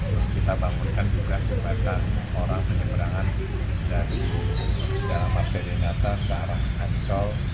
terus kita bangunkan juga jembatan orang penyebrangan dari jalan marta di natah ke arah ancol